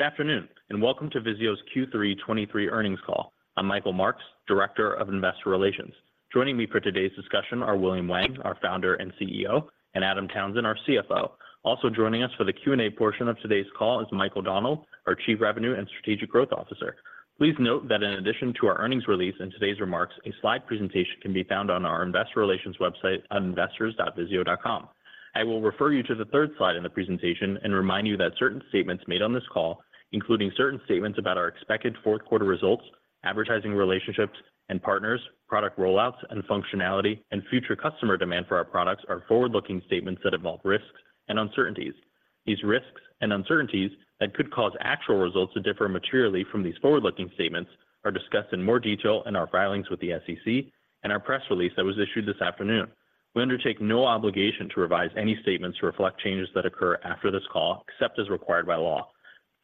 Good afternoon, and welcome to VIZIO's Q3 2023 earnings call. I'm Michael Marks, Director of Investor Relations. Joining me for today's discussion are William Wang, our founder and CEO, and Adam Townsend, our CFO. Also joining us for the Q&A portion of today's call is Mike O'Donnell, our Chief Revenue and Strategic Growth Officer. Please note that in addition to our earnings release and today's remarks, a slide presentation can be found on our investor relations website at investors.vizio.com. I will refer you to the third slide in the presentation and remind you that certain statements made on this call, including certain statements about our expected fourth quarter results, advertising relationships and partners, product rollouts and functionality, and future customer demand for our products, are forward-looking statements that involve risks and uncertainties. These risks and uncertainties that could cause actual results to differ materially from these forward-looking statements are discussed in more detail in our filings with the SEC and our press release that was issued this afternoon. We undertake no obligation to revise any statements to reflect changes that occur after this call, except as required by law.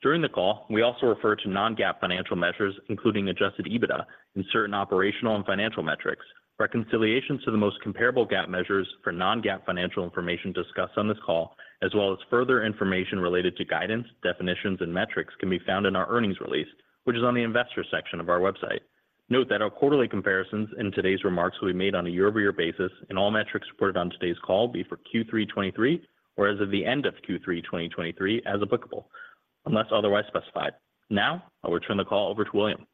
During the call, we also refer to non-GAAP financial measures, including adjusted EBITDA and certain operational and financial metrics. Reconciliations to the most comparable GAAP measures for non-GAAP financial information discussed on this call, as well as further information related to guidance, definitions, and metrics, can be found in our earnings release, which is on the investor section of our website. Note that our quarterly comparisons in today's remarks will be made on a year-over-year basis, and all metrics reported on today's call will be for Q3 2023, or as of the end of Q3 2023, as applicable, unless otherwise specified. Now, I will turn the call over to William.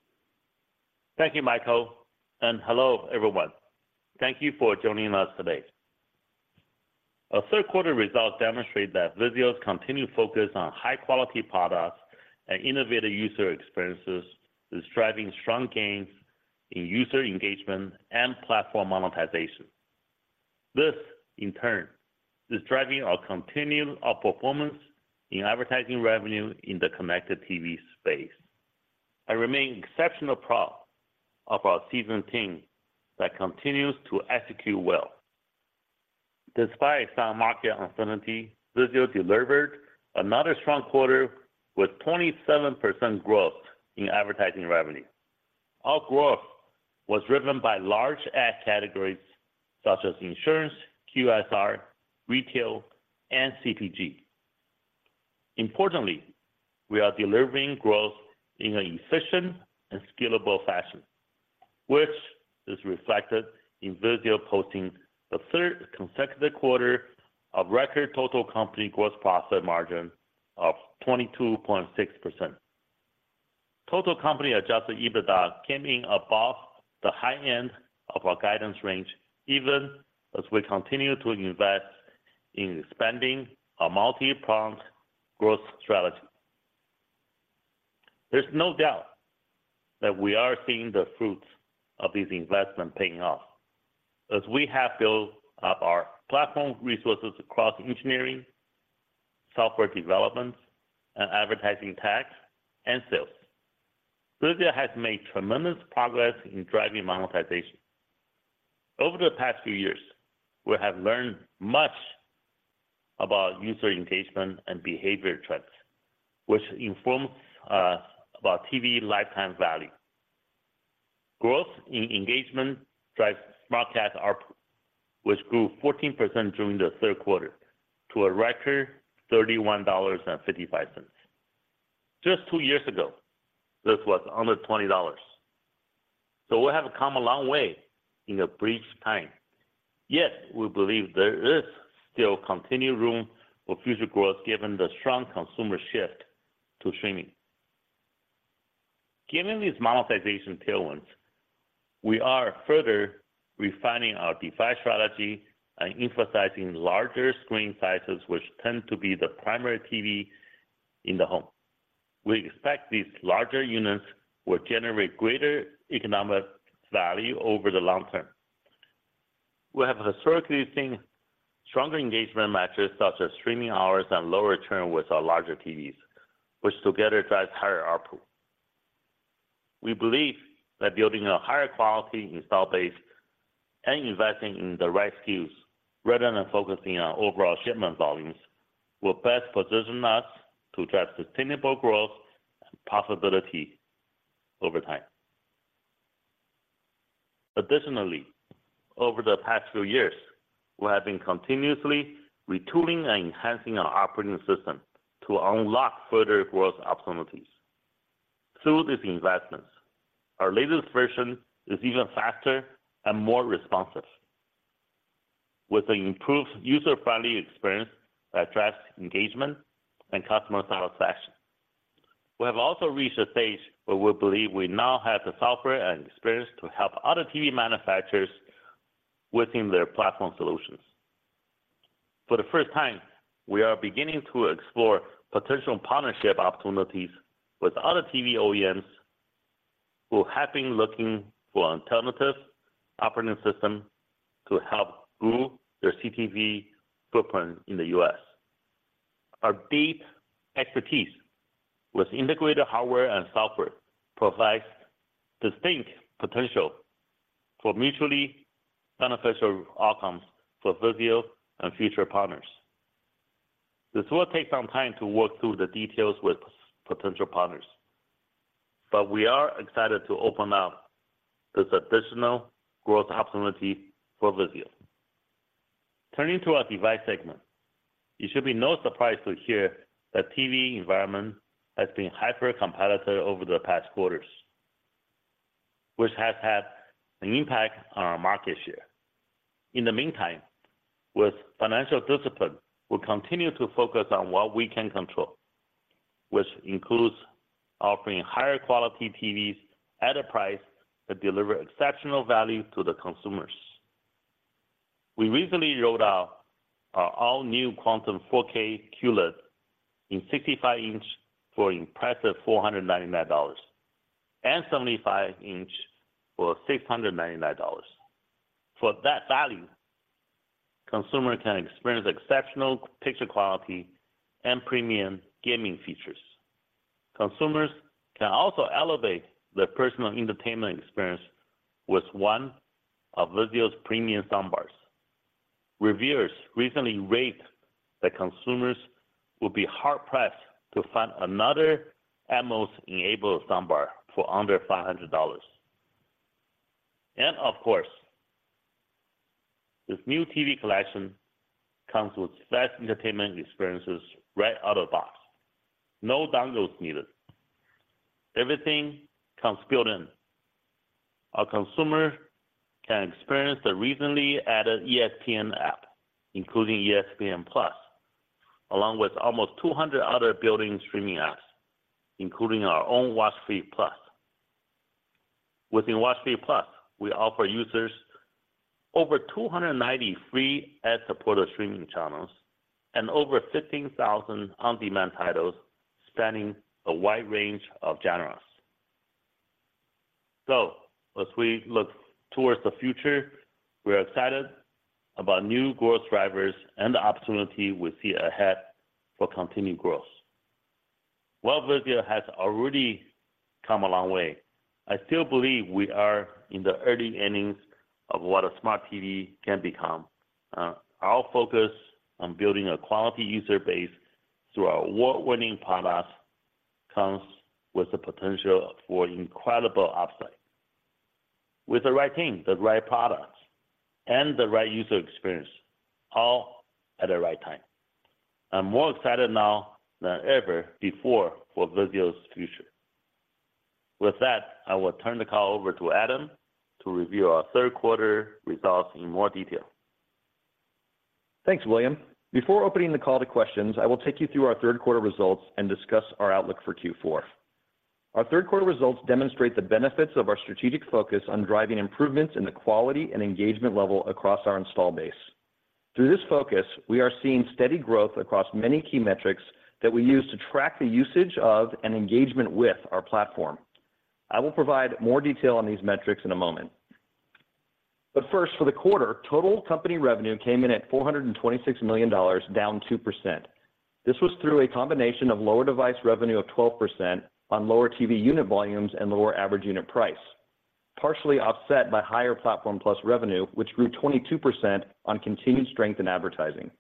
Thank you, Michael, and hello, everyone. Thank you for joining us today. Our third quarter results demonstrate that VIZIO's continued focus on high-quality products and innovative user experiences is driving strong gains in user engagement and platform monetization. This, in turn, is driving our continued performance in advertising revenue in the connected TV space. I remain exceptionally proud of our seasoned team that continues to execute well. Despite some market uncertainty, VIZIO delivered another strong quarter with 27% growth in advertising revenue. Our growth was driven by large ad categories such as insurance, QSR, retail, and CPG. Importantly, we are delivering growth in an efficient and scalable fashion, which is reflected in VIZIO posting the third consecutive quarter of record total company gross profit margin of 22.6%. Total company Adjusted EBITDA came in above the high end of our guidance range, even as we continue to invest in expanding our multi-pronged growth strategy. There's no doubt that we are seeing the fruits of these investments paying off. As we have built up our platform resources across engineering, software development, and advertising, tech, and sales. VIZIO has made tremendous progress in driving monetization. Over the past few years, we have learned much about user engagement and behavior trends, which inform about TV lifetime value. Growth in engagement drives SmartCast ARPU, which grew 14% during the third quarter to a record $31.55. Just two years ago, this was under $20. So we have come a long way in a brief time, yet we believe there is still continued room for future growth, given the strong consumer shift to streaming. Given these monetization tailwinds, we are further refining our device strategy and emphasizing larger screen sizes, which tend to be the primary TV in the home. We expect these larger units will generate greater economic value over the long term. We have historically seen stronger engagement metrics, such as streaming hours and lower churn with our larger TVs, which together drives higher ARPU. We believe that building a higher quality install base and investing in the right skills, rather than focusing on overall shipment volumes, will best position us to drive sustainable growth and profitability over time. Additionally, over the past few years, we have been continuously retooling and enhancing our operating system to unlock further growth opportunities. Through these investments, our latest version is even faster and more responsive, with an improved user-friendly experience that drives engagement and customer satisfaction. We have also reached a stage where we believe we now have the software and experience to help other TV manufacturers within their platform solutions. For the first time, we are beginning to explore potential partnership opportunities with other TV OEMs who have been looking for alternative operating system to help grow their CTV footprint in the U.S. Our deep expertise with integrated hardware and software provides distinct potential for mutually beneficial outcomes for VIZIO and future partners. This will take some time to work through the details with potential partners, but we are excited to open up this additional growth opportunity for VIZIO.... Turning to our device segment, you should be no surprise to hear that TV environment has been hyper competitive over the past quarters, which has had an impact on our market share. In the meantime, with financial discipline, we'll continue to focus on what we can control, which includes offering higher quality TVs at a price that deliver exceptional value to the consumers. We recently rolled out our all-new Quantum 4K QLED in 65-inch for impressive $499, and 75-inch for $699. For that value, consumer can experience exceptional picture quality and premium gaming features. Consumers can also elevate their personal entertainment experience with one of VIZIO's premium soundbars. Reviewers recently rate that consumers will be hard-pressed to find another Atmos-enabled soundbar for under $500. And of course, this new TV collection comes with best entertainment experiences right out of the box. No dongles needed. Everything comes built in. Our consumer can experience the recently added ESPN app, including ESPN+, along with almost 200 other built-in streaming apps, including our own WatchFree+. Within WatchFree+, we offer users over 290 free ad-supported streaming channels and over 15,000 on-demand titles spanning a wide range of genres. So as we look toward the future, we are excited about new growth drivers and the opportunity we see ahead for continued growth. While VIZIO has already come a long way, I still believe we are in the early innings of what a smart TV can become. Our focus on building a quality user base through our award-winning products comes with the potential for incredible upside. With the right team, the right products, and the right user experience, all at the right time. I'm more excited now than ever before for VIZIO's future. With that, I will turn the call over to Adam to review our third quarter results in more detail. Thanks, William. Before opening the call to questions, I will take you through our third quarter results and discuss our outlook for Q4. Our third quarter results demonstrate the benefits of our strategic focus on driving improvements in the quality and engagement level across our install base. Through this focus, we are seeing steady growth across many key metrics that we use to track the usage of and engagement with our platform. I will provide more detail on these metrics in a moment. But first, for the quarter, total company revenue came in at $426 million, down 2%. This was through a combination of lower device revenue of 12% on lower TV unit volumes and lower average unit price, partially offset by higher Platform+ revenue, which grew 22% on continued strength in advertising.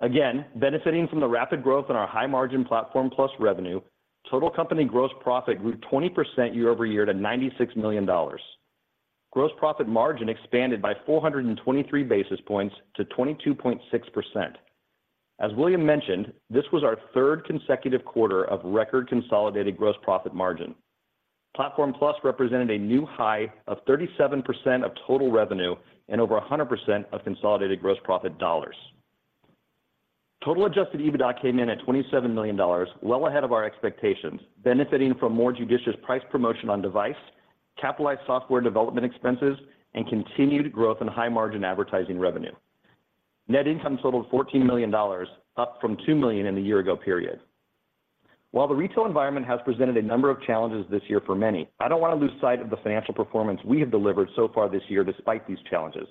Again, benefiting from the rapid growth in our high-margin Platform+ revenue, total company gross profit grew 20% year-over-year to $96 million. Gross profit margin expanded by 423 basis points to 22.6%. As William mentioned, this was our third consecutive quarter of record consolidated gross profit margin. Platform+ represented a new high of 37% of total revenue and over 100% of consolidated gross profit dollars. Total Adjusted EBITDA came in at $27 million, well ahead of our expectations, benefiting from more judicious price promotion on device, capitalized software development expenses, and continued growth in high-margin advertising revenue. Net income totaled $14 million, up from $2 million in the year-ago period. While the retail environment has presented a number of challenges this year for many, I don't wanna lose sight of the financial performance we have delivered so far this year despite these challenges.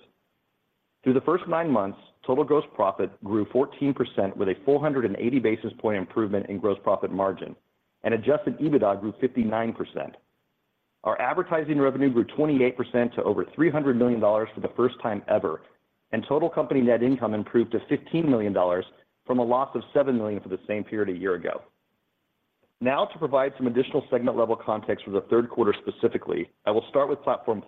Through the first nine months, total gross profit grew 14% with a 480 basis point improvement in gross profit margin, and adjusted EBITDA grew 59%. Our advertising revenue grew 28% to over $300 million for the first time ever, and total company net income improved to $15 million from a loss of $7 million for the same period a year ago. Now, to provide some additional segment-level context for the third quarter specifically, I will start with Platform+.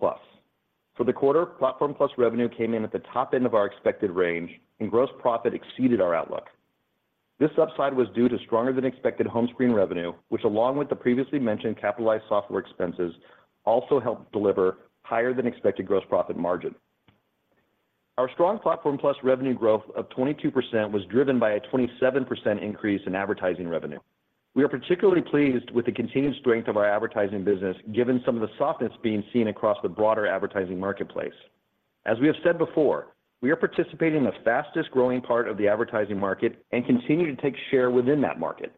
For the quarter, Platform+ revenue came in at the top end of our expected range, and gross profit exceeded our outlook. This upside was due to stronger-than-expected home screen revenue, which, along with the previously mentioned capitalized software expenses, also helped deliver higher-than-expected gross profit margin. Our strong Platform+ revenue growth of 22% was driven by a 27% increase in advertising revenue. We are particularly pleased with the continued strength of our advertising business, given some of the softness being seen across the broader advertising marketplace. As we have said before, we are participating in the fastest-growing part of the advertising market and continue to take share within that market.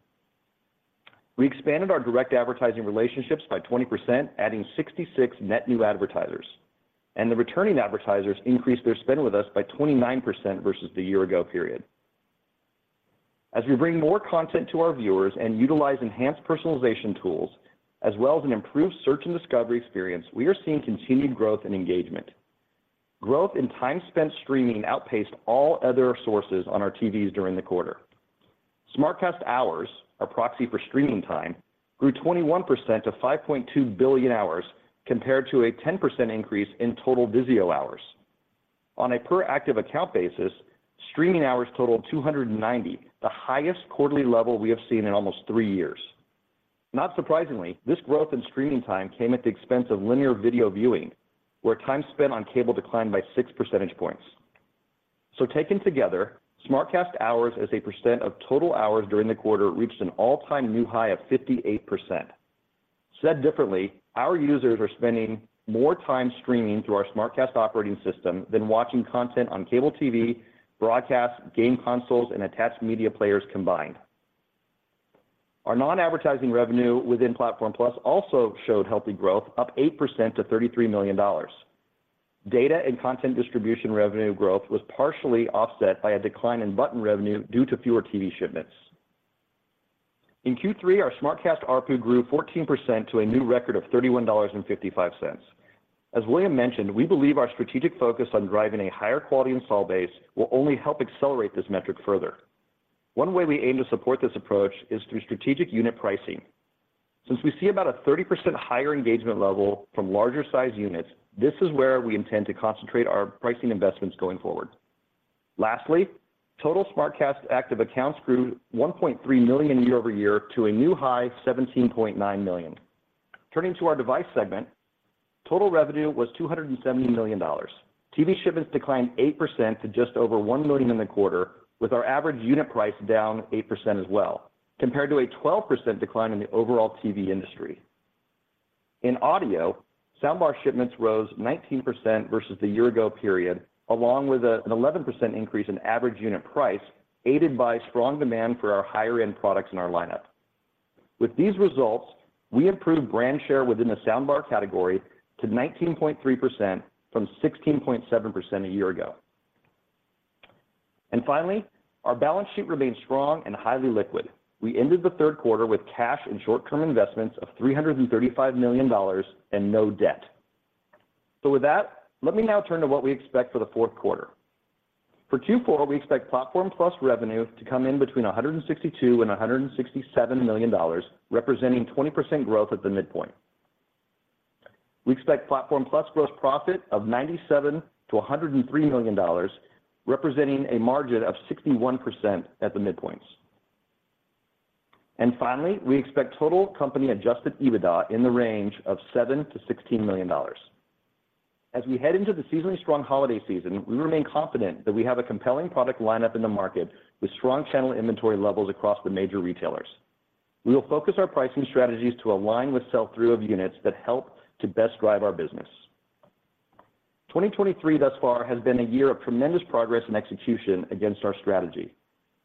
We expanded our direct advertising relationships by 20%, adding 66 net new advertisers, and the returning advertisers increased their spend with us by 29% versus the year ago period. As we bring more content to our viewers and utilize enhanced personalization tools, as well as an improved search and discovery experience, we are seeing continued growth and engagement. Growth in time spent streaming outpaced all other sources on our TVs during the quarter. SmartCast hours, our proxy for streaming time, grew 21% to 5.2 billion hours, compared to a 10% increase in total VIZIO hours. On a per active account basis, streaming hours totaled 290, the highest quarterly level we have seen in almost three years. Not surprisingly, this growth in streaming time came at the expense of linear video viewing, where time spent on cable declined by six percentage points. So taken together, SmartCast hours as a percent of total hours during the quarter, reached an all-time new high of 58%. Said differently, our users are spending more time streaming through our SmartCast operating system than watching content on cable TV, broadcast, game consoles, and attached media players combined. Our non-advertising revenue within Platform+ also showed healthy growth, up 8% to $33 million. Data and content distribution revenue growth was partially offset by a decline in button revenue due to fewer TV shipments. In Q3, our SmartCast ARPU grew 14% to a new record of $31.55. As William mentioned, we believe our strategic focus on driving a higher quality install base will only help accelerate this metric further. One way we aim to support this approach is through strategic unit pricing. Since we see about a 30% higher engagement level from larger-sized units, this is where we intend to concentrate our pricing investments going forward. Lastly, total SmartCast active accounts grew 1.3 million year-over-year to a new high, 17.9 million. Turning to our device segment, total revenue was $270 million. TV shipments declined 8% to just over 1 million in the quarter, with our average unit price down 8% as well, compared to a 12% decline in the overall TV industry. In audio, soundbar shipments rose 19% versus the year ago period, along with an 11% increase in average unit price, aided by strong demand for our higher-end products in our lineup. With these results, we improved brand share within the soundbar category to 19.3% from 16.7% a year ago. And finally, our balance sheet remains strong and highly liquid. We ended the third quarter with cash and short-term investments of $335 million and no debt. So with that, let me now turn to what we expect for the fourth quarter. For Q4, we expect Platform+ revenue to come in between $162 million and $167 million, representing 20% growth at the midpoint. We expect Platform+ gross profit of $97 million-$103 million, representing a margin of 61% at the midpoints. And finally, we expect total company Adjusted EBITDA in the range of $7 million-$16 million. As we head into the seasonally strong holiday season, we remain confident that we have a compelling product lineup in the market, with strong channel inventory levels across the major retailers. We will focus our pricing strategies to align with sell-through of units that help to best drive our business. 2023 thus far has been a year of tremendous progress and execution against our strategy.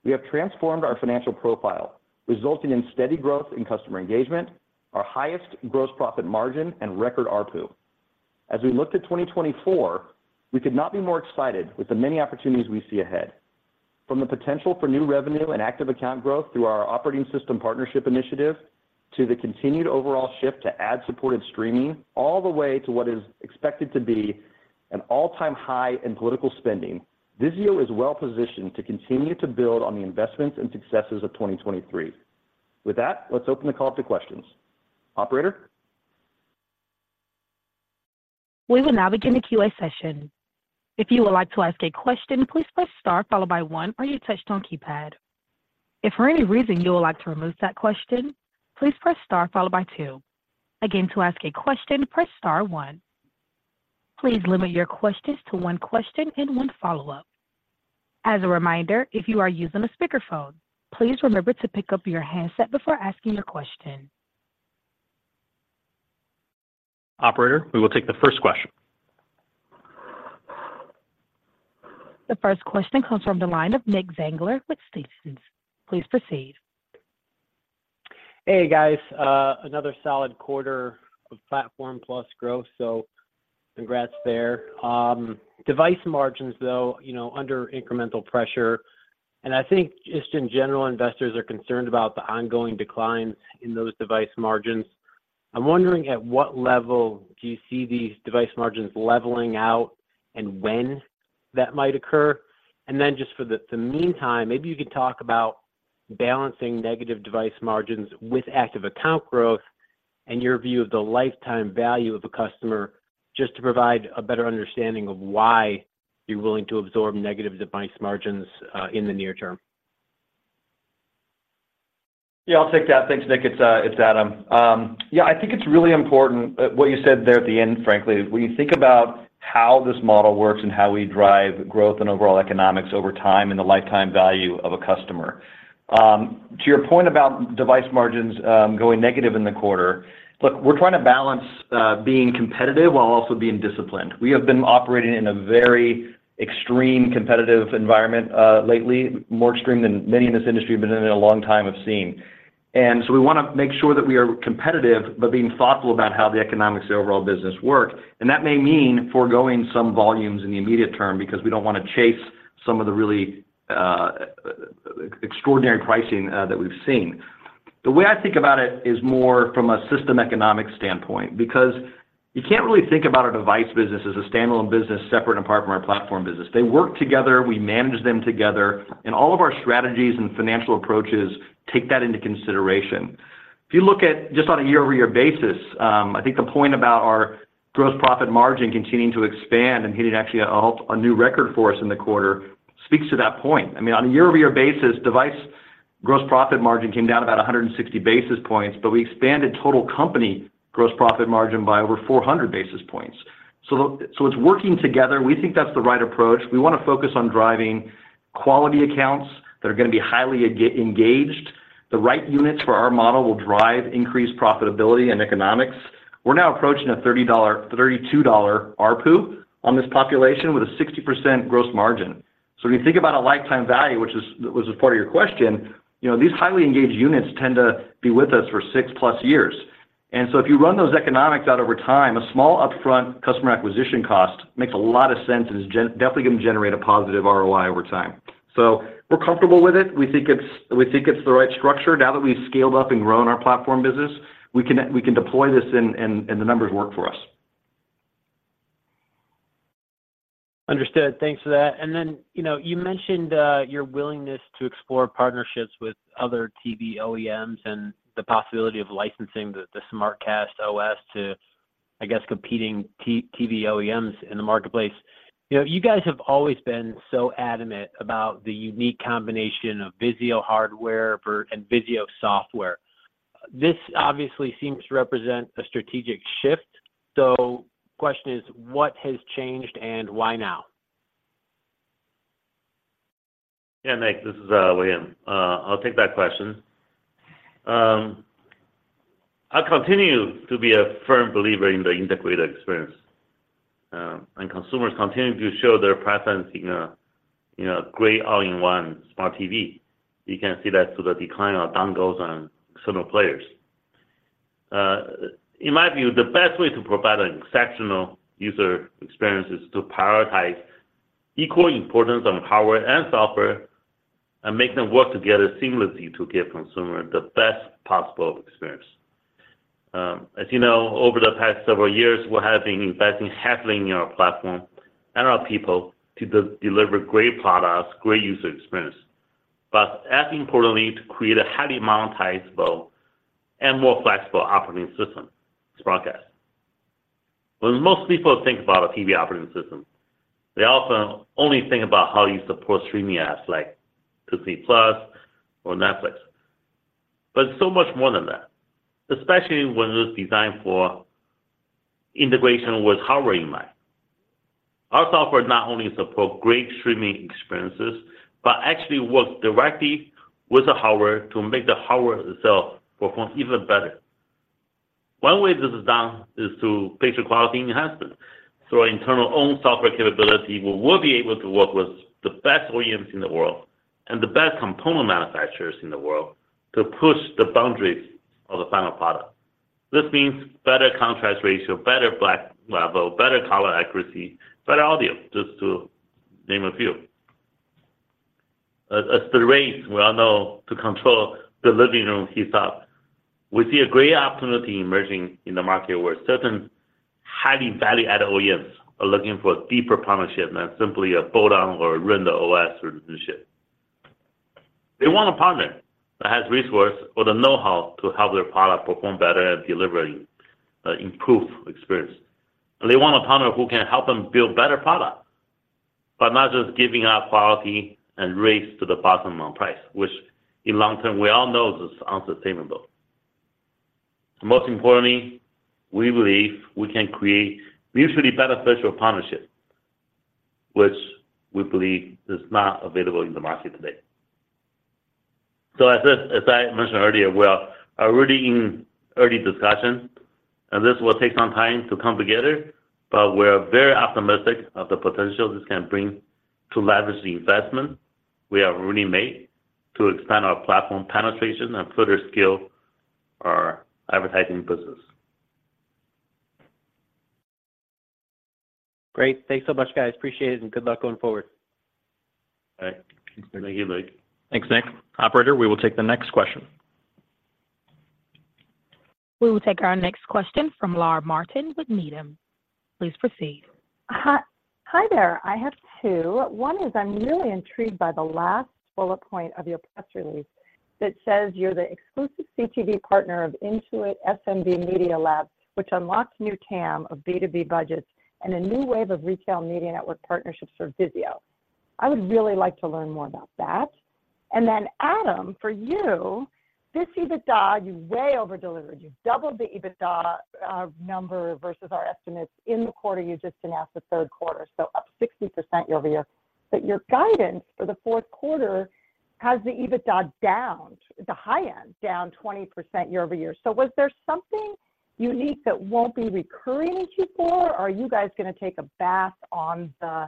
We have transformed our financial profile, resulting in steady growth in customer engagement, our highest gross profit margin, and record ARPU. As we look to 2024, we could not be more excited with the many opportunities we see ahead. From the potential for new revenue and active account growth through our operating system partnership initiative, to the continued overall shift to ad-supported streaming, all the way to what is expected to be an all-time high in political spending, VIZIO is well positioned to continue to build on the investments and successes of 2023. With that, let's open the call up to questions. Operator? We will now begin the Q&A session. If you would like to ask a question, please press star followed by one on your touch-tone keypad. If for any reason you would like to remove that question, please press star followed by two. Again, to ask a question, press star one. Please limit your questions to one question and one follow-up. As a reminder, if you are using a speakerphone, please remember to pick up your handset before asking your question. Operator, we will take the first question. The first question comes from the line of Nick Zangler with Stephens. Please proceed. Hey, guys. Another solid quarter of Platform+ growth, so congrats there. Device margins, though, you know, under incremental pressure, and I think just in general, investors are concerned about the ongoing decline in those device margins. I'm wondering, at what level do you see these device margins leveling out, and when that might occur? And then just for the meantime, maybe you could talk about balancing negative device margins with active account growth and your view of the lifetime value of a customer, just to provide a better understanding of why you're willing to absorb negative device margins in the near term. Yeah, I'll take that. Thanks, Nick. It's Adam. Yeah, I think it's really important, what you said there at the end, frankly, when you think about how this model works and how we drive growth and overall economics over time, and the lifetime value of a customer. To your point about device margins, going negative in the quarter, look, we're trying to balance, being competitive while also being disciplined. We have been operating in a very extreme competitive environment, lately, more extreme than many in this industry have seen in a long time. So we wanna make sure that we are competitive, but being thoughtful about how the economics of the overall business work. That may mean foregoing some volumes in the immediate term because we don't wanna chase some of the really extraordinary pricing that we've seen. The way I think about it is more from a system economic standpoint, because you can't really think about our device business as a standalone business, separate and apart from our platform business. They work together, we manage them together, and all of our strategies and financial approaches take that into consideration. If you look at just on a year-over-year basis, I think the point about our gross profit margin continuing to expand and hitting actually a new record for us in the quarter speaks to that point. I mean, on a year-over-year basis, device gross profit margin came down about 160 basis points, but we expanded total company gross profit margin by over 400 basis points. So it's working together. We think that's the right approach. We wanna focus on driving quality accounts that are gonna be highly engaged. The right units for our model will drive increased profitability and economics. We're now approaching a $32 ARPU on this population with a 60% gross margin. So when you think about a lifetime value, which was a part of your question, you know, these highly engaged units tend to be with us for 6+ years. So if you run those economics out over time, a small upfront customer acquisition cost makes a lot of sense and is definitely gonna generate a positive ROI over time. So we're comfortable with it. We think it's the right structure. Now that we've scaled up and grown our platform business, we can deploy this and the numbers work for us. Understood. Thanks for that. And then, you know, you mentioned your willingness to explore partnerships with other TV OEMs and the possibility of licensing the SmartCast OS to, I guess, competing TV OEMs in the marketplace. You know, you guys have always been so adamant about the unique combination of VIZIO hardware and VIZIO software. This obviously seems to represent a strategic shift. So question is, what has changed and why now? Yeah, Nick, this is William. I'll take that question. I continue to be a firm believer in the integrated experience, and consumers continue to show their preference in a great all-in-one smart TV. You can see that through the decline of dongles on similar players. In my view, the best way to provide an exceptional user experience is to prioritize equal importance on hardware and software, and make them work together seamlessly to give consumer the best possible experience. As you know, over the past several years, we have been investing heavily in our platform and our people to deliver great products, great user experience, but as importantly, to create a highly monetizable and more flexible operating system, SmartCast. When most people think about a TV operating system, they often only think about how you support streaming apps like Disney Plus or Netflix. But it's so much more than that, especially when it's designed for integration with hardware in mind. Our software not only support great streaming experiences, but actually works directly with the hardware to make the hardware itself perform even better. One way this is done is through picture quality enhancement. Through our internal own software capability, we will be able to work with the best OEMs in the world and the best component manufacturers in the world to push the boundaries of the final product. This means better contrast ratio, better black level, better color accuracy, better audio, just to name a few. As the race we all know to control the living room heats up, we see a great opportunity emerging in the market where certain highly value-added OEMs are looking for a deeper partnership than simply a bolt-on or render-OS or leadership. They want a partner that has resource or the know-how to help their product perform better at delivering improved experience. They want a partner who can help them build better products, but not just giving up quality and race to the bottom on price, which in long term, we all know is unsustainable. Most importantly, we believe we can create mutually beneficial partnerships, which we believe is not available in the market today. As I mentioned earlier, we are already in early discussions, and this will take some time to come together, but we're very optimistic of the potential this can bring to leverage the investment we have already made to expand our platform penetration and further scale our advertising business. Great. Thanks so much, guys. Appreciate it, and good luck going forward. Thank you, Nick. Thanks, Nick. Operator, we will take the next question. We will take our next question from Laura Martin with Needham. Please proceed. Hi, hi there. I have two. One is, I'm really intrigued by the last bullet point of your press release that says you're the exclusive CTV partner of Intuit SMB Media Lab, which unlocks new TAM of B2B budgets and a new wave of retail media network partnerships for VIZIO. I would really like to learn more about that. And then, Adam, for you, this EBITDA, you way over-delivered. You doubled the EBITDA number versus our estimates in the quarter you just announced, the third quarter, so up 60% year-over-year. But your guidance for the fourth quarter has the EBITDA down, the high end, down 20% year-over-year. Was there something unique that won't be recurring in Q4, or are you guys gonna take a bath on the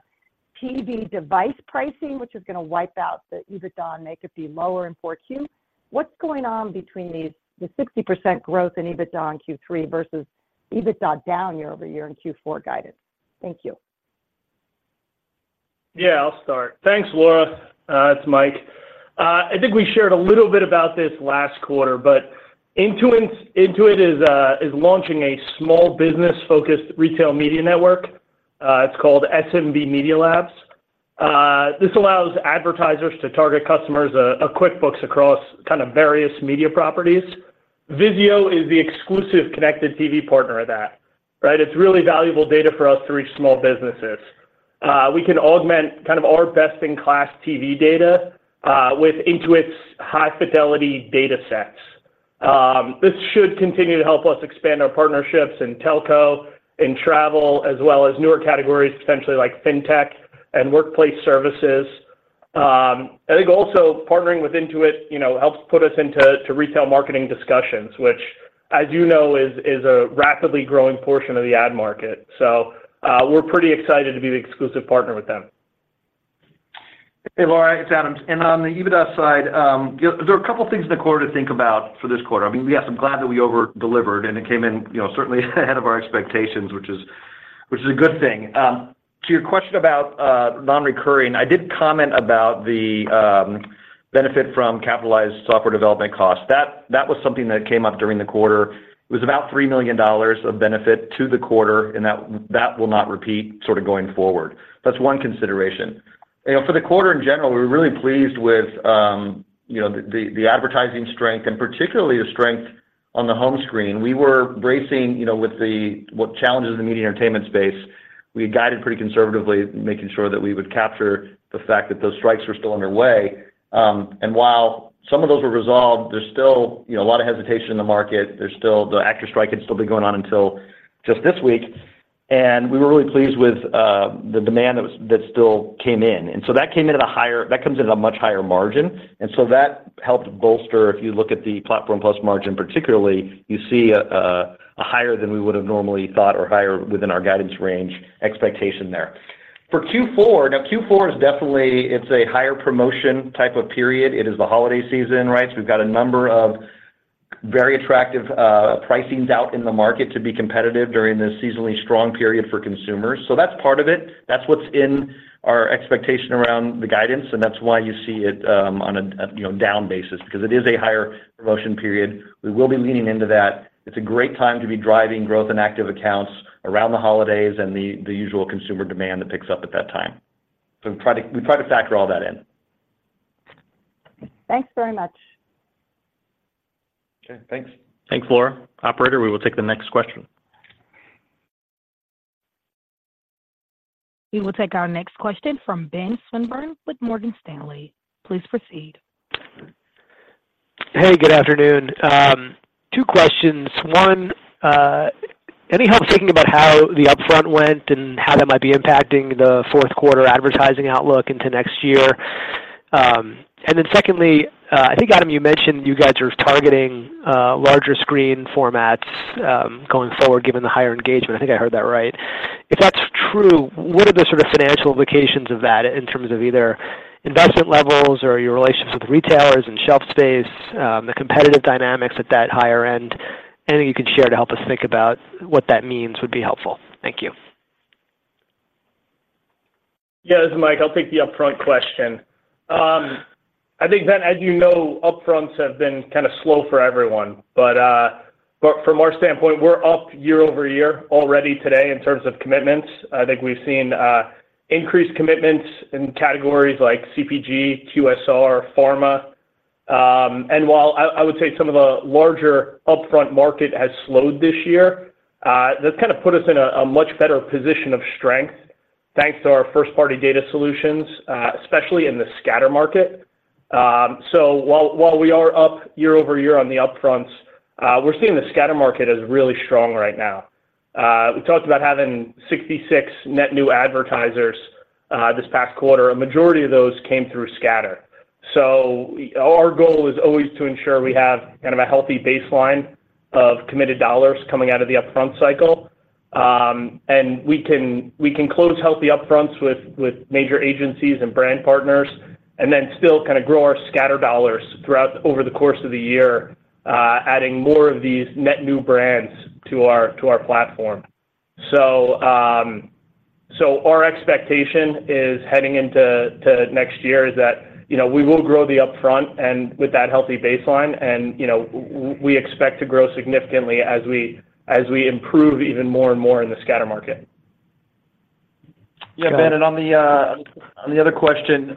TV device pricing, which is gonna wipe out the EBITDA and make it be lower in Q4? What's going on between these, the 60% growth in EBITDA in Q3 versus EBITDA down year-over-year in Q4 guidance? Thank you.... Yeah, I'll start. Thanks, Laura. It's Mike. I think we shared a little bit about this last quarter, but Intuit is launching a small business-focused retail media network. It's called SMB Media Labs. This allows advertisers to target customers of QuickBooks across kind of various media properties. VIZIO is the exclusive connected TV partner of that, right? It's really valuable data for us to reach small businesses. We can augment kind of our best-in-class TV data with Intuit's high-fidelity data sets. This should continue to help us expand our partnerships in telco, in travel, as well as newer categories, potentially like fintech and workplace services. I think also partnering with Intuit, you know, helps put us into to retail marketing discussions, which, as you know, is a rapidly growing portion of the ad market. We're pretty excited to be the exclusive partner with them. Hey, Laura, it's Adam. On the EBITDA side, yeah, there are a couple of things in the quarter to think about for this quarter. I mean, yes, I'm glad that we over-delivered, and it came in, you know, certainly ahead of our expectations, which is a good thing. To your question about non-recurring, I did comment about the benefit from capitalized software development costs. That was something that came up during the quarter. It was about $3 million of benefit to the quarter, and that will not repeat sort of going forward. That's one consideration. You know, for the quarter in general, we're really pleased with, you know, the advertising strength and particularly the strength on the home screen. We were bracing, you know, with the what challenges in the media entertainment space. We had guided pretty conservatively, making sure that we would capture the fact that those strikes were still underway. And while some of those were resolved, there's still, you know, a lot of hesitation in the market. There's still the actor strike had still been going on until just this week, and we were really pleased with the demand that still came in. And so that came in at a higher- that comes in at a much higher margin, and so that helped bolster. If you look at the Platform+ margin, particularly, you see a higher than we would have normally thought or higher within our guidance range expectation there. For Q4, now, Q4 is definitely, it's a higher promotion type of period. It is the holiday season, right? So we've got a number of very attractive pricings out in the market to be competitive during the seasonally strong period for consumers. So that's part of it. That's what's in our expectation around the guidance, and that's why you see it on a you know down basis because it is a higher promotion period. We will be leaning into that. It's a great time to be driving growth and active accounts around the holidays and the usual consumer demand that picks up at that time. So we try to factor all that in. Thanks very much. Okay, thanks. Thanks, Laura. Operator, we will take the next question. We will take our next question from Ben Swinburne with Morgan Stanley. Please proceed. Hey, good afternoon. Two questions. One, any help thinking about how the Upfront went and how that might be impacting the fourth quarter advertising outlook into next year? And then secondly, I think, Adam, you mentioned you guys are targeting, larger screen formats, going forward, given the higher engagement. I think I heard that right. If that's true, what are the sort of financial implications of that in terms of either investment levels or your relationships with retailers and shelf space, the competitive dynamics at that higher end? Anything you can share to help us think about what that means would be helpful. Thank you. Yeah, this is Mike. I'll take the upfront question. I think, Ben, as you know, upfronts have been kind of slow for everyone, but from our standpoint, we're up year-over-year already today in terms of commitments. I think we've seen increased commitments in categories like CPG, QSR, pharma. And while I would say some of the larger upfront market has slowed this year, that's kind of put us in a much better position of strength, thanks to our first-party data solutions, especially in the scatter market. So while we are up year-over-year on the upfronts, we're seeing the scatter market is really strong right now. We talked about having 66 net new advertisers this past quarter. A majority of those came through scatter. So our goal is always to ensure we have kind of a healthy baseline of committed dollars coming out of the Upfront cycle. And we can close healthy Upfronts with major agencies and brand partners, and then still kind of grow our scatter dollars throughout the year, adding more of these net new brands to our platform. So our expectation heading into next year is that, you know, we will grow the Upfront and with that healthy baseline, and, you know, we expect to grow significantly as we improve even more and more in the scatter market. Yeah, Ben, and on the other question,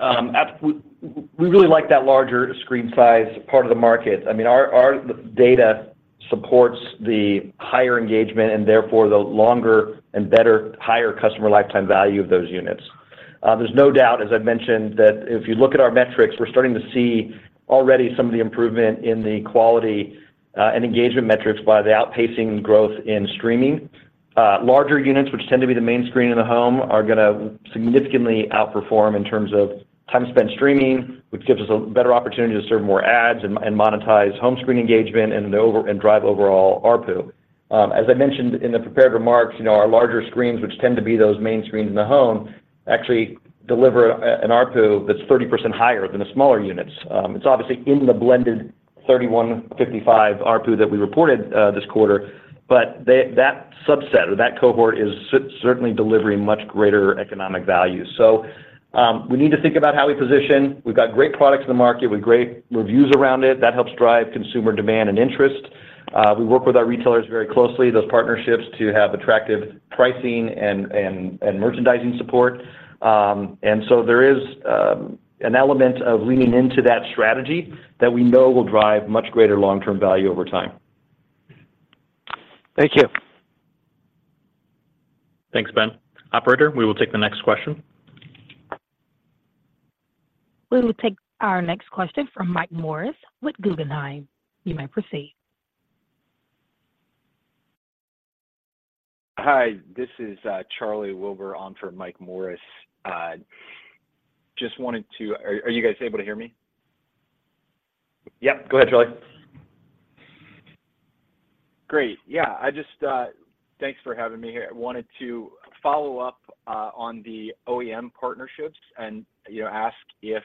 we really like that larger screen size part of the market. I mean, our data supports the higher engagement, and therefore, the longer and better higher customer lifetime value of those units. There's no doubt, as I've mentioned, that if you look at our metrics, we're starting to see already some of the improvement in the quality and engagement metrics by the outpacing growth in streaming. Larger units, which tend to be the main screen in the home, are gonna significantly outperform in terms of time spent streaming, which gives us a better opportunity to serve more ads and monetize home screen engagement and drive overall ARPU. As I mentioned in the prepared remarks, you know, our larger screens, which tend to be those main screens in the home, actually deliver an ARPU that's 30% higher than the smaller units. It's obviously in the blended $31.55 ARPU that we reported this quarter, but that subset or that cohort is certainly delivering much greater economic value. So, we need to think about how we position. We've got great products in the market with great reviews around it. That helps drive consumer demand and interest. We work with our retailers very closely, those partnerships, to have attractive pricing and merchandising support. And so there is an element of leaning into that strategy that we know will drive much greater long-term value over time. Thank you. Thanks, Ben. Operator, we will take the next question. We will take our next question from Mike Morris with Guggenheim. You may proceed. Hi, this is Charlie Wilber on for Mike Morris. Just wanted to, are you guys able to hear me? Yep. Go ahead, Charlie. Great. Yeah, Thanks for having me here. I wanted to follow up on the OEM partnerships and, you know, ask if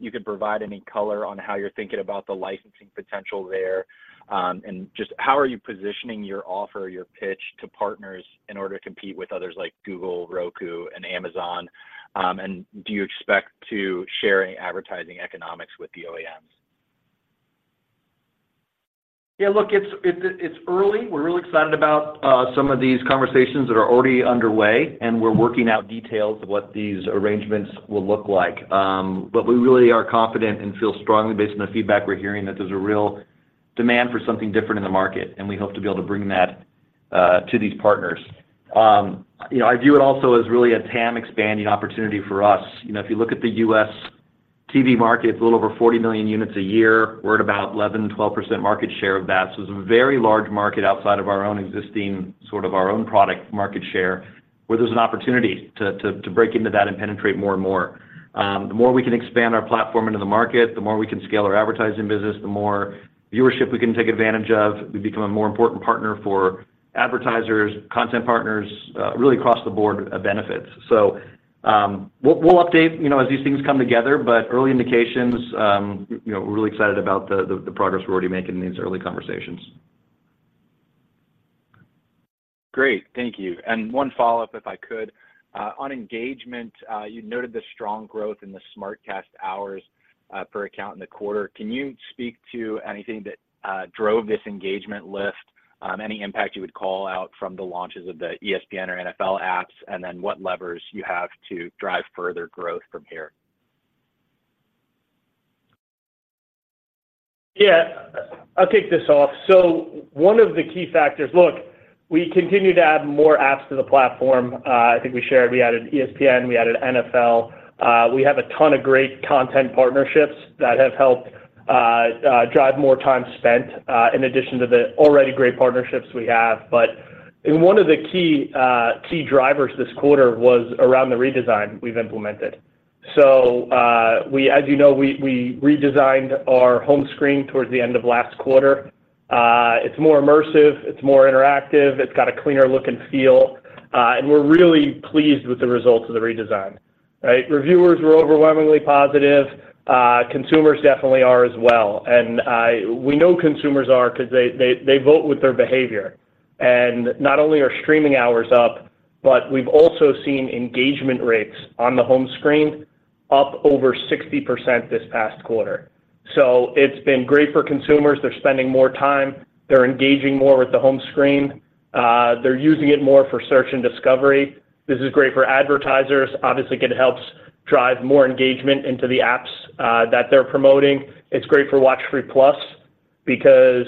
you could provide any color on how you're thinking about the licensing potential there. And just how are you positioning your offer, your pitch to partners in order to compete with others like Google, Roku, and Amazon? And do you expect to share any advertising economics with the OEMs? Yeah, look, it's early. We're really excited about some of these conversations that are already underway, and we're working out details of what these arrangements will look like. But we really are confident and feel strongly based on the feedback we're hearing, that there's a real demand for something different in the market, and we hope to be able to bring that to these partners. You know, I view it also as really a TAM expanding opportunity for us. You know, if you look at the U.S. TV market, it's a little over 40 million units a year. We're at about 11%-12% market share of that. So it's a very large market outside of our own existing, sort of our own product market share, where there's an opportunity to break into that and penetrate more and more. The more we can expand our platform into the market, the more we can scale our advertising business, the more viewership we can take advantage of. We become a more important partner for advertisers, content partners, really across the board of benefits. So, we'll update, you know, as these things come together, but early indications, you know, we're really excited about the progress we're already making in these early conversations. Great. Thank you. One follow-up, if I could. On engagement, you noted the strong growth in the SmartCast hours per account in the quarter. Can you speak to anything that drove this engagement lift? Any impact you would call out from the launches of the ESPN or NFL apps, and then what levers you have to drive further growth from here? Yeah. I'll kick this off. So one of the key factors. Look, we continue to add more apps to the platform. I think we shared, we added ESPN, we added NFL. We have a ton of grea t content partnerships that have helped, drive more time spent, in addition to the already great partnerships we have. But and one of the key, key drivers this quarter was around the redesign we've implemented. So, we as you know, we redesigned our home screen towards the end of last quarter. It's more immersive, it's more interactive, it's got a cleaner look and feel, and we're really pleased with the results of the redesign, right? Reviewers were overwhelmingly positive. Consumers definitely are as well. And, we know consumers are because they vote with their behavior. Not only are streaming hours up, but we've also seen engagement rates on the home screen up over 60% this past quarter. It's been great for consumers. They're spending more time. They're engaging more with the home screen. They're using it more for search and discovery. This is great for advertisers. Obviously, it helps drive more engagement into the apps that they're promoting. It's great for WatchFree+, because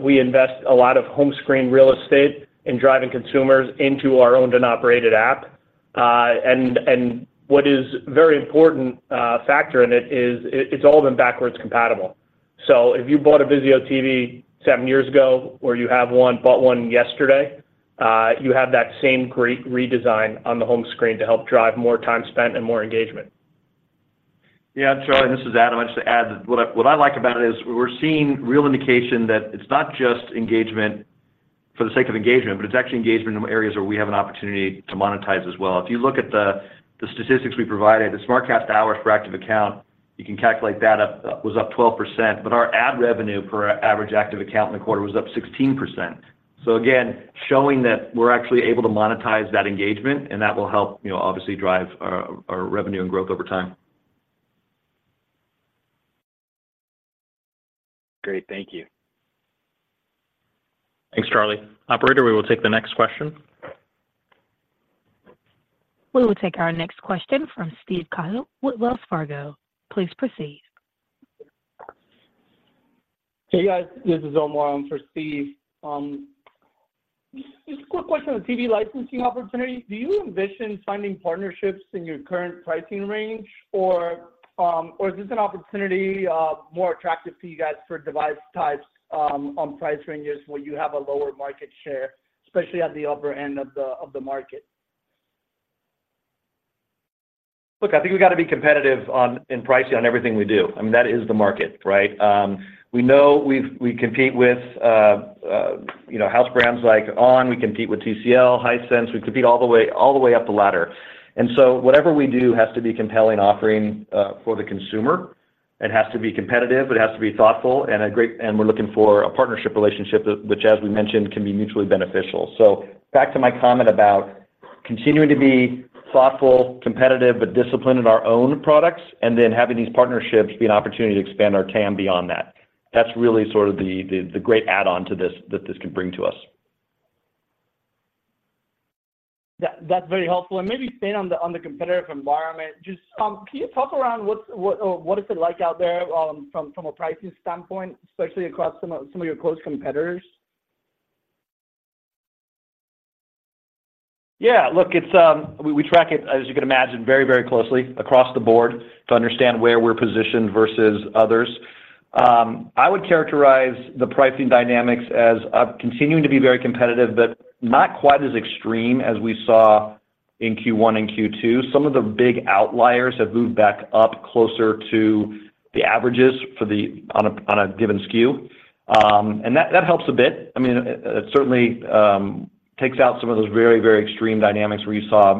we invest a lot of home screen real estate in driving consumers into our owned and operated app. And what is very important factor in it is, it's all been backwards compatible. So if you bought a VIZIO TV seven years ago, or you have one, bought one yesterday, you have that same great redesign on the home screen to help drive more time spent and more engagement. Yeah, Charlie, this is Adam. I just to add, what I, what I like about it is, we're seeing real indication that it's not just engagement for the sake of engagement, but it's actually engagement in areas where we have an opportunity to monetize as well. If you look at the statistics we provided, the SmartCast hours for active account, you can calculate that up, was up 12%, but our ad revenue per average active account in the quarter was up 16%. So again, showing that we're actually able to monetize that engagement, and that will help, you know, obviously drive our, our revenue and growth over time. Great. Thank you. Thanks, Charlie. Operator, we will take the next question. We will take our next question from Steve Cahall with Wells Fargo. Please proceed. Hey, guys, this is Omar on for Steve. Just a quick question on the TV licensing opportunity. Do you envision finding partnerships in your current pricing range, or is this an opportunity more attractive to you guys for device types on price ranges where you have a lower market share, especially at the upper end of the market? Look, I think we've got to be competitive on, in pricing on everything we do. I mean, that is the market, right? We know we compete with, you know, house brands like onn., we compete with TCL, Hisense, we compete all the way, all the way up the ladder. And so whatever we do has to be a compelling offering, for the consumer. It has to be competitive, it has to be thoughtful, and we're looking for a partnership relationship that, which, as we mentioned, can be mutually beneficial. So back to my comment about continuing to be thoughtful, competitive, but disciplined in our own products, and then having these partnerships be an opportunity to expand our TAM beyond that. That's really sort of the great add-on to this, that this could bring to us. That, that's very helpful. And maybe staying on the competitive environment, just can you talk around what is it like out there, from a pricing standpoint, especially across some of your close competitors? Yeah. Look, it's. We track it, as you can imagine, very, very closely across the board to understand where we're positioned versus others. I would characterize the pricing dynamics as continuing to be very competitive, but not quite as extreme as we saw in Q1 and Q2. Some of the big outliers have moved back up closer to the averages on a given SKU, and that helps a bit. I mean, it certainly takes out some of those very, very extreme dynamics where you saw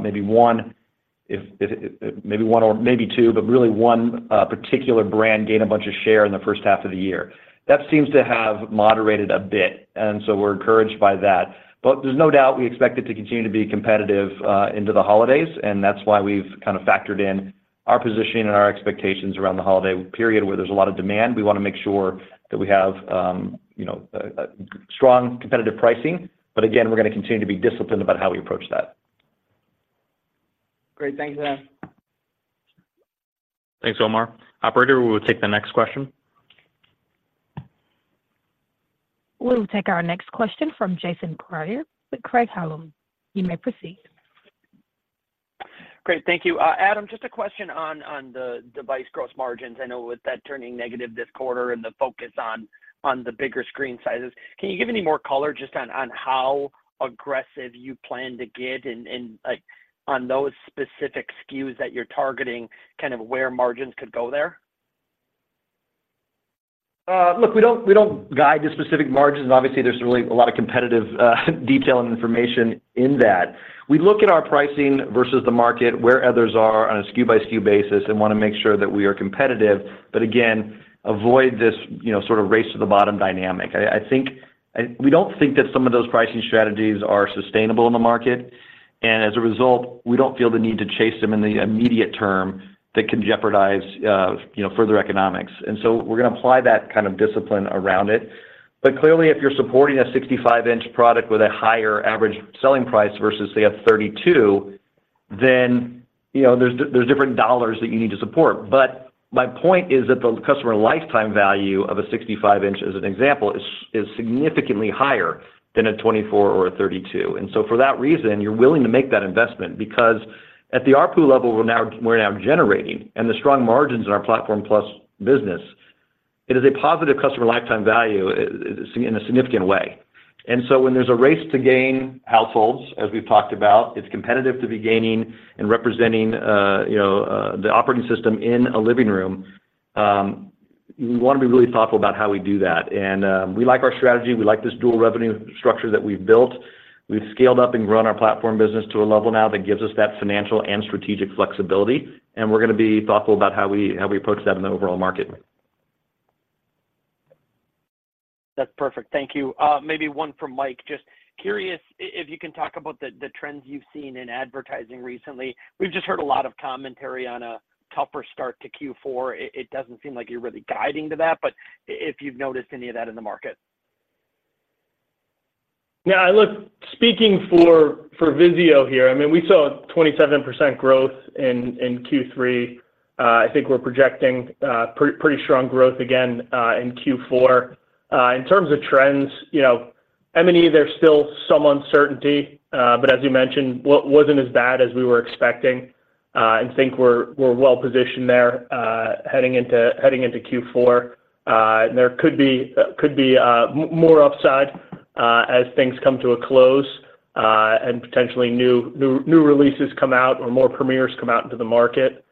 maybe one, if maybe one or maybe two, but really one particular brand gain a bunch of share in the first half of the year. That seems to have moderated a bit, and so we're encouraged by that. But there's no doubt we expect it to continue to be competitive into the holidays, and that's why we've kind of factored in our positioning and our expectations around the holiday period, where there's a lot of demand. We wanna make sure that we have, you know, a strong competitive pricing, but again, we're gonna continue to be disciplined about how we approach that. Great. Thanks, Adam. Thanks, Omar. Operator, we will take the next question. We'll take our next question from Jason Kreyer with Craig-Hallum. You may proceed. Great. Thank you. Adam, just a question on the device gross margins. I know with that turning negative this quarter and the focus on the bigger screen sizes, can you give any more color just on how aggressive you plan to get in, like, on those specific SKUs that you're targeting, kind of where margins could go there? Look, we don't guide to specific margins, and obviously, there's really a lot of competitive detail and information in that. We look at our pricing versus the market, where others are on a SKU by SKU basis, and wanna make sure that we are competitive, but again, avoid this, you know, sort of race to the bottom dynamic. I think we don't think that some of those pricing strategies are sustainable in the market, and as a result, we don't feel the need to chase them in the immediate term that can jeopardize, you know, further economics. And so we're gonna apply that kind of discipline around it. But clearly, if you're supporting a 65-inch product with a higher average selling price versus, say, a 32, then, you know, there's different dollars that you need to support. But my point is that the customer lifetime value of a 65-inch, as an example, is significantly higher than a 24 or a 32. And so for that reason, you're willing to make that investment because at the ARPU level we're now generating and the strong margins in our Platform+ business, it is a positive customer lifetime value in a significant way. And so when there's a race to gain households, as we've talked about, it's competitive to be gaining and representing, you know, the operating system in a living room. We wanna be really thoughtful about how we do that. And we like our strategy. We like this dual revenue structure that we've built. We've scaled up and grown our platform business to a level now that gives us that financial and strategic flexibility, and we're gonna be thoughtful about how we, how we approach that in the overall market. That's perfect. Thank you. Maybe one for Mike. Just curious if you can talk about the trends you've seen in advertising recently. We've just heard a lot of commentary on a tougher start to Q4. It doesn't seem like you're really guiding to that, but if you've noticed any of that in the market. Yeah, look, speaking for VIZIO here, I mean, we saw a 27% growth in Q3. I think we're projecting pretty strong growth again in Q4. In terms of trends, you know, M&E, there's still some uncertainty, but as you mentioned, wasn't as bad as we were expecting, and think we're well positioned there heading into Q4. There could be more upside as things come to a close and potentially new releases come out or more premieres come out into the market.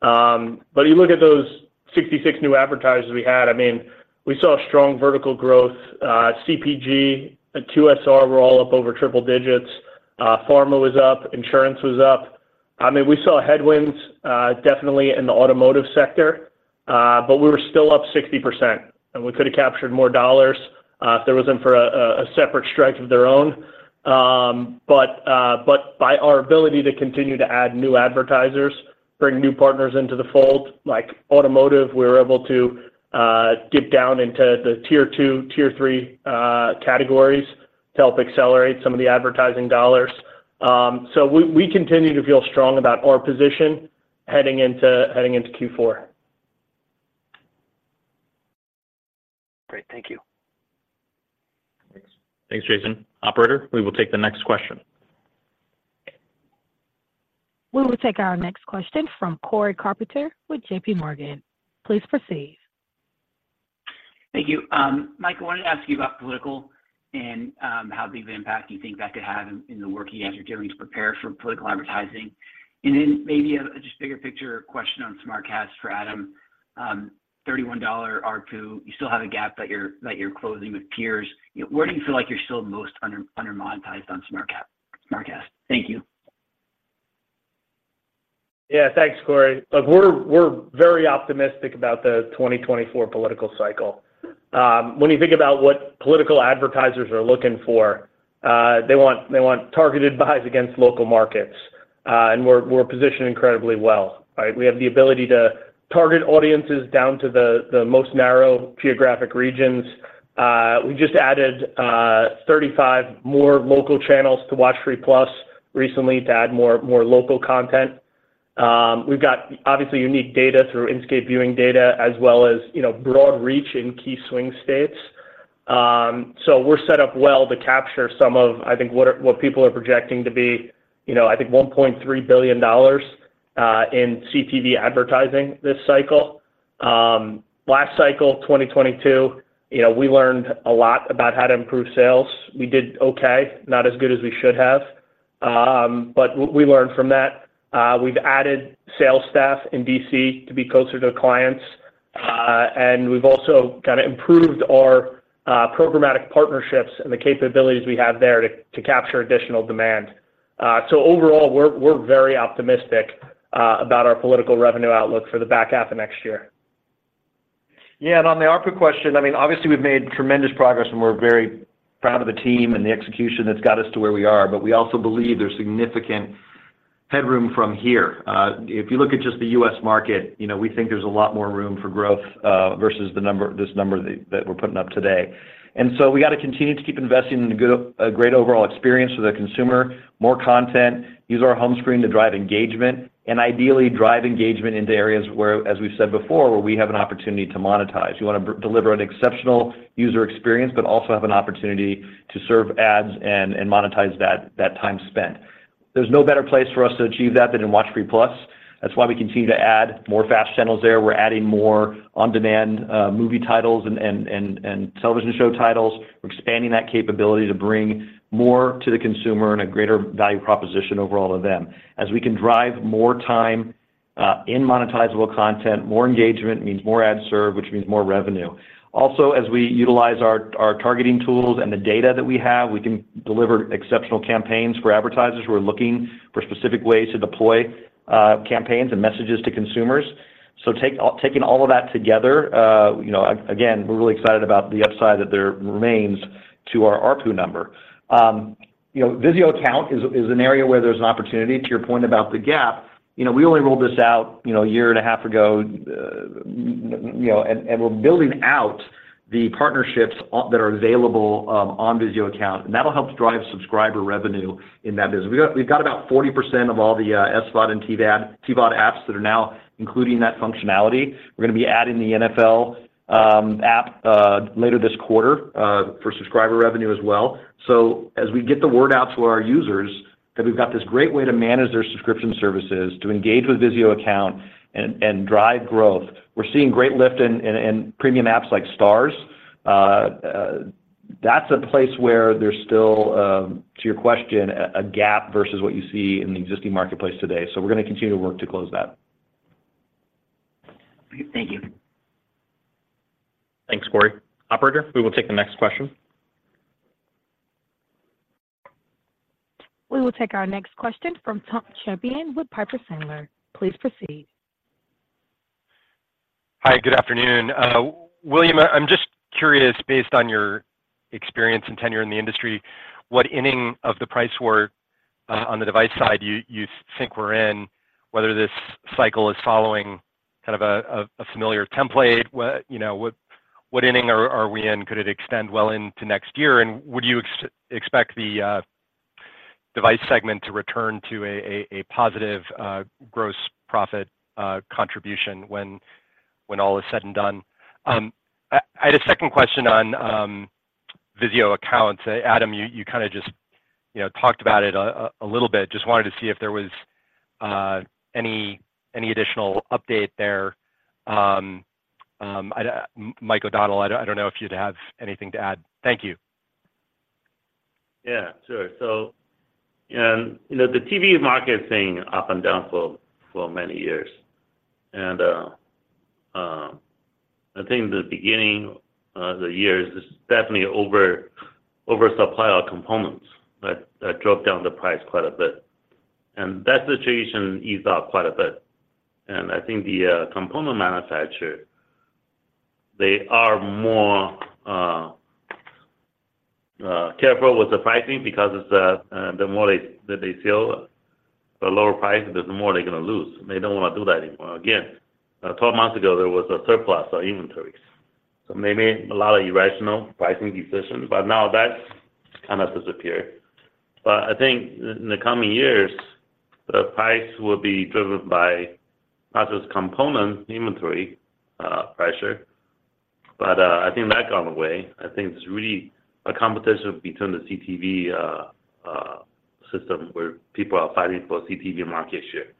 But you look at those 66 new advertisers we had, I mean, we saw strong vertical growth. CPG and QSR were all up over triple digits. Pharma was up, insurance was up. I mean, we saw headwinds, definitely in the automotive sector, but we were still up 60%, and we could have captured more dollars, if there wasn't for a separate strike of their own. But by our ability to continue to add new advertisers, bring new partners into the fold, like automotive, we're able to dip down into the tier two, tier three categories to help accelerate some of the advertising dollars. So we continue to feel strong about our position heading into Q4. Great. Thank you. Thanks. Thanks, Jason. Operator, we will take the next question. We will take our next question from Cory Carpenter with JPMorgan. Please proceed. Thank you. Mike, I wanted to ask you about political and how big of an impact do you think that could have in the working as you're doing to prepare for political advertising? And then maybe just bigger picture question on SmartCast for Adam. $31 ARPU, you still have a gap that you're closing with peers. Where do you feel like you're still most under-monetized on SmartCast? SmartCast. Thank you.... Yeah, thanks, Cory. Look, we're very optimistic about the 2024 political cycle. When you think about what political advertisers are looking for, they want targeted buys against local markets, and we're positioned incredibly well, right? We have the ability to target audiences down to the most narrow geographic regions. We just added 35 more local channels to WatchFree+ recently to add more local content. We've got obviously unique data through Inscape viewing data, as well as, you know, broad reach in key swing states. So we're set up well to capture some of, I think, what people are projecting to be, you know, I think $1.3 billion in CTV advertising this cycle. Last cycle, 2022, you know, we learned a lot about how to improve sales. We did okay, not as good as we should have, but we learned from that. We've added sales staff in D.C. to be closer to clients, and we've also kinda improved our programmatic partnerships and the capabilities we have there to capture additional demand. So overall, we're very optimistic about our political revenue outlook for the back half of next year. Yeah, and on the ARPU question, I mean, obviously, we've made tremendous progress, and we're very proud of the team and the execution that's got us to where we are, but we also believe there's significant headroom from here. If you look at just the U.S. market, you know, we think there's a lot more room for growth, versus this number that, that we're putting up today. And so we gotta continue to keep investing in a great overall experience for the consumer, more content, use our home screen to drive engagement, and ideally, drive engagement into areas where, as we've said before, where we have an opportunity to monetize. We wanna deliver an exceptional user experience, but also have an opportunity to serve ads and, and monetize that, that time spent. There's no better place for us to achieve that than in WatchFree+. That's why we continue to add more FAST channels there. We're adding more on-demand, movie titles and television show titles. We're expanding that capability to bring more to the consumer and a greater value proposition overall to them. As we can drive more time in monetizable content, more engagement means more ad serve, which means more revenue. Also, as we utilize our targeting tools and the data that we have, we can deliver exceptional campaigns for advertisers who are looking for specific ways to deploy campaigns and messages to consumers. So taking all of that together, you know, again, we're really excited about the upside that there remains to our ARPU number. You know, VIZIO Account is an area where there's an opportunity, to your point about the gap. You know, we only rolled this out a year and a half ago, you know, and we're building out the partnerships that are available on VIZIO Account, and that'll help drive subscriber revenue in that business. We've got about 40% of all the SVOD and TVOD apps that are now including that functionality. We're gonna be adding the NFL app later this quarter for subscriber revenue as well. So as we get the word out to our users that we've got this great way to manage their subscription services, to engage with VIZIO Account and drive growth, we're seeing great lift in premium apps like Starz. That's a place where there's still, to your question, a gap versus what you see in the existing marketplace today. So we're gonna continue to work to close that. Thank you. Thanks, Cory. Operator, we will take the next question. We will take our next question from Tom Champion with Piper Sandler. Please proceed. Hi, good afternoon. William, I'm just curious, based on your experience and tenure in the industry, what inning of the price war on the device side you think we're in? Whether this cycle is following kind of a familiar template, what you know what inning are we in? Could it extend well into next year? And would you expect the device segment to return to a positive gross profit contribution when all is said and done? I had a second question on VIZIO Accounts. Adam, you kinda just you know talked about it a little bit. Just wanted to see if there was any additional update there. Mike O’Donnell, I don't know if you'd have anything to add. Thank you. Yeah, sure. So, you know, the TV market has been up and down for many years. And, I think in the beginning of the years, it's definitely oversupply of components that drove down the price quite a bit. And that situation eased up quite a bit. And I think the component manufacturer, they are more careful with the pricing because of the more they that they sell at a lower price, the more they're gonna lose, and they don't wanna do that anymore. Again, 12 months ago, there was a surplus of inventories, so they made a lot of irrational pricing decisions, but now that's kinda disappeared. But I think in the coming years, the price will be driven by not just component inventory pressure, but, I think that gone away. I think it's really a competition between the CTV system, where people are fighting for CTV market share.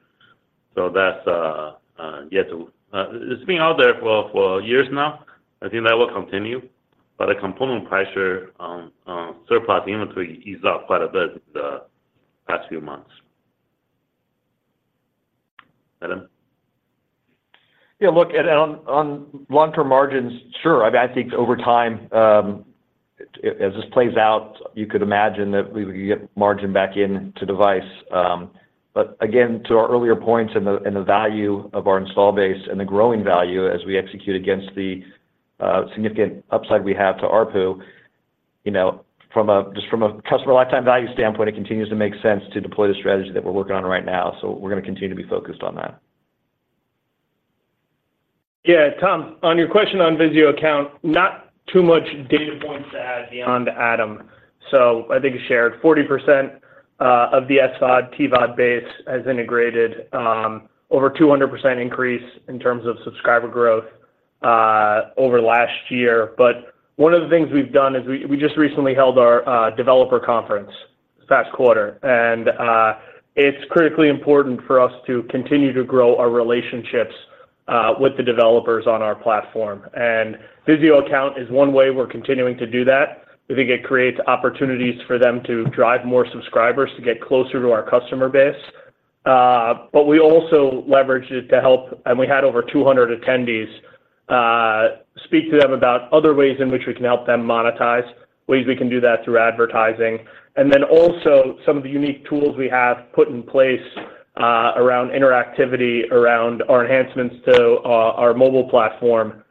So that's yet to... It's been out there for years now. I think that will continue, but the component pressure on surplus inventory eased up quite a bit in the past few months. Adam?... Yeah, look, and on long-term margins, sure. I think over time, as this plays out, you could imagine that we would get margin back into device. But again, to our earlier points and the value of our install base and the growing value as we execute against the significant upside we have to ARPU, you know, from just a customer lifetime value standpoint, it continues to make sense to deploy the strategy that we're working on right now. So we're gonna continue to be focused on that. Yeah, Tom, on your question on VIZIO Account, not too much data points to add beyond Adam. So I think he shared 40% of the SVOD, TVOD base has integrated, over 200% increase in terms of subscriber growth, over last year. But one of the things we've done is we just recently held our developer conference this past quarter, and it's critically important for us to continue to grow our relationships with the developers on our platform. And VIZIO Account is one way we're continuing to do that. We think it creates opportunities for them to drive more subscribers to get closer to our customer base. But we also leveraged it to help, and we had over 200 attendees speak to them about other ways in which we can help them monetize, ways we can do that through advertising. Then also some of the unique tools we have put in place around interactivity, around our enhancements to our mobile platform,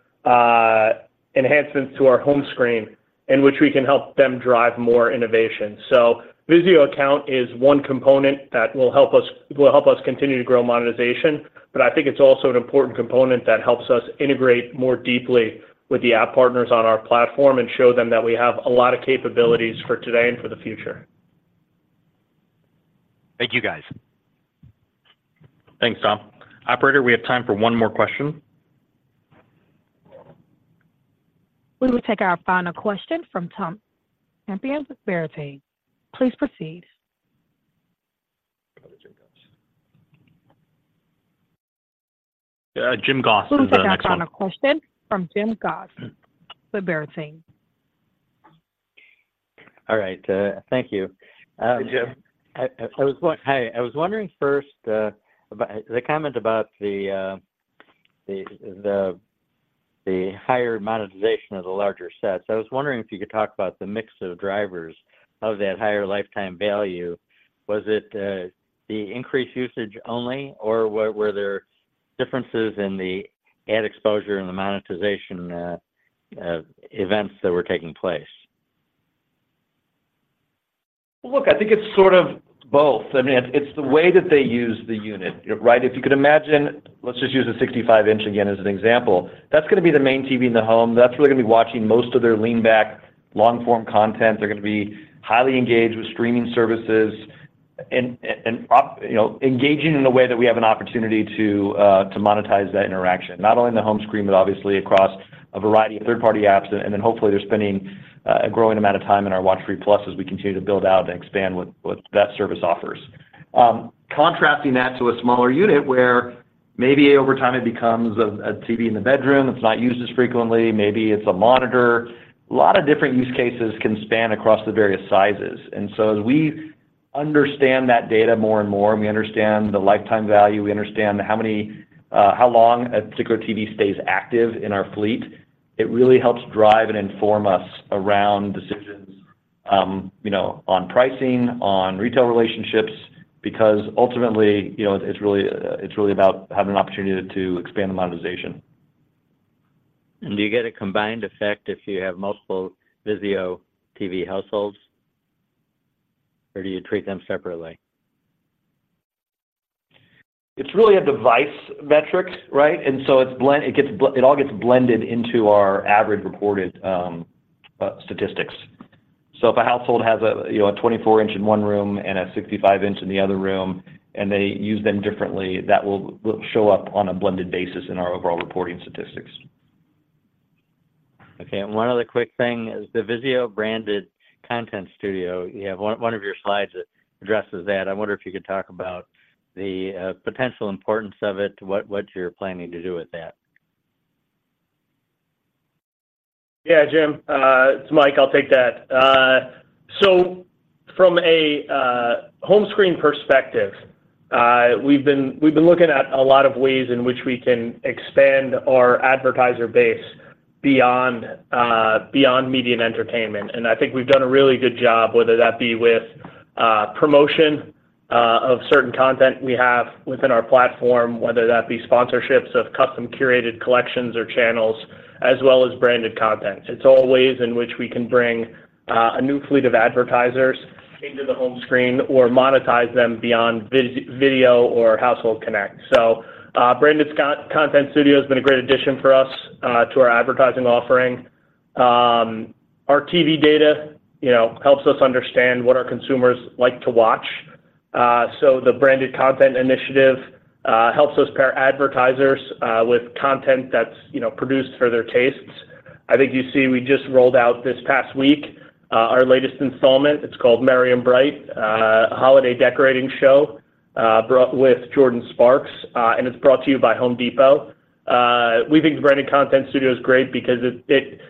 enhancements to our home screen, in which we can help them drive more innovation. So VIZIO Account is one component that will help us continue to grow monetization, but I think it's also an important component that helps us integrate more deeply with the app partners on our platform and show them that we have a lot of capabilities for today and for the future. Thank you, guys. Thanks, Tom. Operator, we have time for one more question. We will take our final question from Tom Champion with Berenberg. Please proceed. Probably Jim Goss. Jim Goss is our next one. We will take our final question from Jim Goss with Barrington. All right, thank you. Hey, Jim. I was wondering first about the comment about the higher monetization of the larger sets. I was wondering if you could talk about the mix of drivers of that higher lifetime value. Was it the increased usage only, or were there differences in the ad exposure and the monetization events that were taking place? Look, I think it's sort of both. I mean, it's the way that they use the unit, right? If you could imagine, let's just use the 65-inch again as an example. That's gonna be the main TV in the home. That's really gonna be watching most of their lean back, long form content. They're gonna be highly engaged with streaming services and you know, engaging in a way that we have an opportunity to to monetize that interaction, not only in the home screen, but obviously across a variety of third-party apps. And then hopefully, they're spending a growing amount of time in our WatchFree+ as we continue to build out and expand what that service offers. Contrasting that to a smaller unit, where maybe over time it becomes a TV in the bedroom. It's not used as frequently, maybe it's a monitor. A lot of different use cases can span across the various sizes. And so as we understand that data more and more, and we understand the lifetime value, we understand how many, how long a particular TV stays active in our fleet, it really helps drive and inform us around decisions, you know, on pricing, on retail relationships, because ultimately, you know, it's really, it's really about having an opportunity to expand the monetization. Do you get a combined effect if you have multiple VIZIO TV households, or do you treat them separately? It's really a device metric, right? And so it's blended into our average reported statistics. So if a household has a, you know, a 24-inch in one room and a 65-inch in the other room, and they use them differently, that will show up on a blended basis in our overall reporting statistics. Okay. One other quick thing is the VIZIO Branded Content Studio. You have one of your slides that addresses that. I wonder if you could talk about the potential importance of it, what you're planning to do with that. Yeah, Jim, it's Mike. I'll take that. So from a home screen perspective, we've been looking at a lot of ways in which we can expand our advertiser base beyond media and entertainment. I think we've done a really good job, whether that be with promotion of certain content we have within our platform, whether that be sponsorships of custom curated collections or channels, as well as branded content. It's all ways in which we can bring a new fleet of advertisers into the home screen or monetize them beyond video or household connect. So branded content studio has been a great addition for us to our advertising offering. Our TV data, you know, helps us understand what our consumers like to watch. So the branded content initiative helps us pair advertisers with content that's, you know, produced for their tastes. I think you see we just rolled out this past week our latest installment. It's called Merry and Bright holiday decorating show with Jordan Sparks, and it's brought to you by Home Depot. We think branded content studio is great because it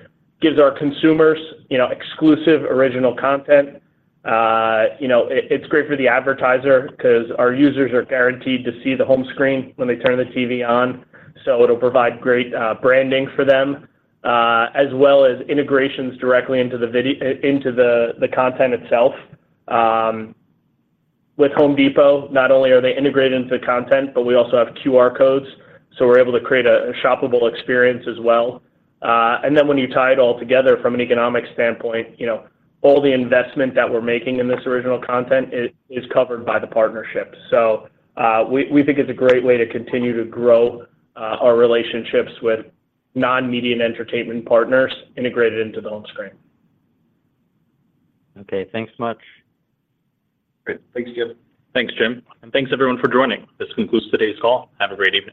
gives our consumers, you know, exclusive, original content. You know, it's great for the advertiser 'cause our users are guaranteed to see the home screen when they turn the TV on. So it'll provide great branding for them as well as integrations directly into the content itself. With Home Depot, not only are they integrated into the content, but we also have QR codes, so we're able to create a shoppable experience as well. And then when you tie it all together from an economic standpoint, you know, all the investment that we're making in this original content is covered by the partnership. So, we think it's a great way to continue to grow our relationships with non-media entertainment partners integrated into the home screen. Okay, thanks much. Great. Thanks, Jim. Thanks, Jim, and thanks everyone for joining. This concludes today's call. Have a great evening.